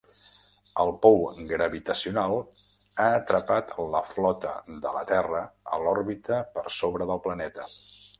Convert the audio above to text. El pou gravitacional ha atrapat la flota de la Terra a l'òrbita per sobre del planeta.